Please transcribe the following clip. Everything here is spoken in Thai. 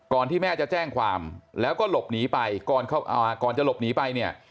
ที่แม่จะแจ้งความแล้วก็หลบหนีไปก่อนจะหลบหนีไปเนี่ย